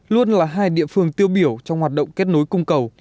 luôn là hai địa phương tiêu biểu trong hoạt động kết nối cung cầu